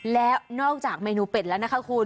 แล้วนอกจากเมนูเป็ดแล้วนะคะคุณ